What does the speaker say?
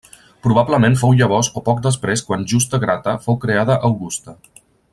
Probablement fou llavors o poc després quan Justa Grata fou creada augusta.